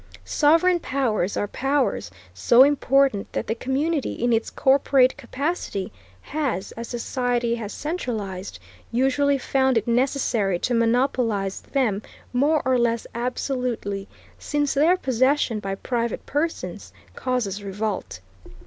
Sovereign powers are powers so important that the community, in its corporate capacity, has, as society has centralized, usually found it necessary to monopolize them more or less absolutely, since their possession by private persons causes revolt.